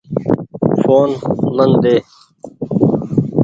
ڦون من ۮي۔